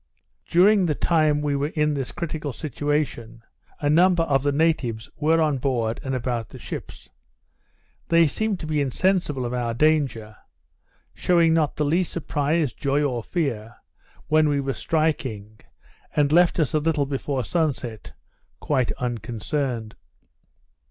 During the lime we were in this critical situation, a number of the natives were on board and about the ships. They seemed to be insensible of our danger, shewing not the least surprise, joy, or fear, when we were striking, and left us a little before sun set, quite unconcerned.